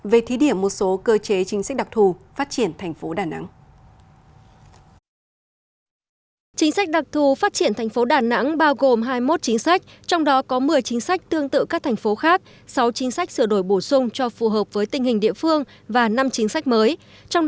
về thí điểm một số cơ chế chính sách đặc thù phát triển thành phố đà nẵng